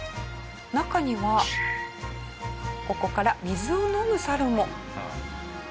中にはここから水を飲むサルも。